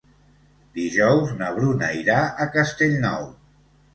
Dijous na Bruna irà a Castellnou.